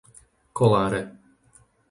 Koláre